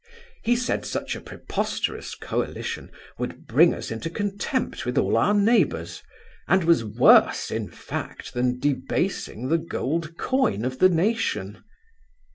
He said such a preposterous coalition would bring us into contempt with all our neighbours; and was worse, in fact, than debasing the gold coin of the nation.